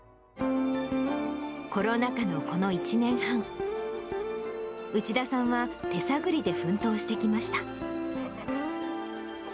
コロナ禍のこの１年半、内田さんは手探りで奮闘してきました。